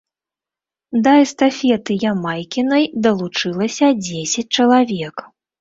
Да эстафеты Ямайкінай далучылася дзесяць чалавек.